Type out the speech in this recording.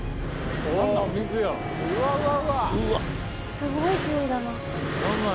すごい勢いだな。